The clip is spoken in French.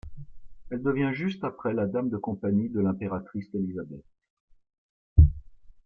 Elle devient juste après la dame de compagnie de l'impératrice Élisabeth.